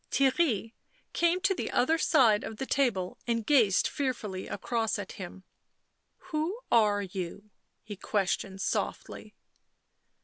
Theirry came to the other side of the table and gazed, fearfully, across at him. " Who are you ?" he questioned softly.